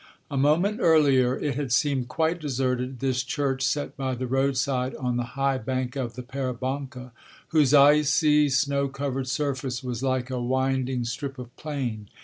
A moment earlier it had seemed quite deserted, this church set by the roadside on the high bank of the Peribonka, whose icy snow covered surface was like a winding strip of plain.